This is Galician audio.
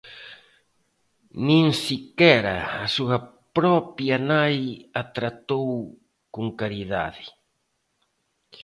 Nin sequera a súa propia nai a tratou con caridade.